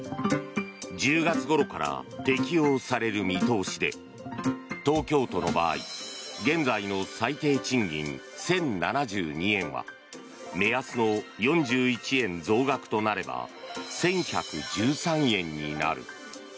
１０月ごろから適用される見通しで東京都の場合現在の最低賃金１０７２円は目安の４１円増額となれば１１１３円になる。